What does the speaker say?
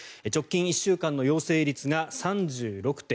直近１週間の陽性率が３６．４％。